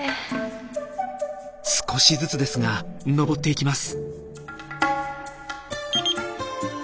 少しずつですが登っていきます。